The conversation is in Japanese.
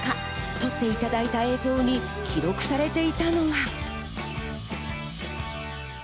撮っていただいた映像に記録されていたのは。